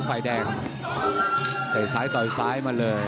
ไฟแดงเตะซ้ายต่อยซ้ายมาเลย